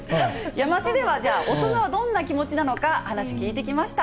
街では、大人はどんな気持ちなのか、話聞いてきました。